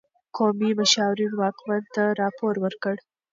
قومي مشاورین واکمن ته راپور ورکړ.